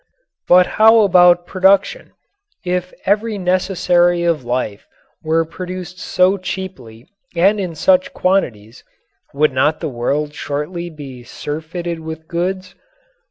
But how about production? If every necessary of life were produced so cheaply and in such quantities, would not the world shortly be surfeited with goods?